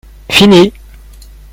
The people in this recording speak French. Fini